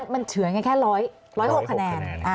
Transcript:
มันเฉือนกันแค่๑๐๖คะแนน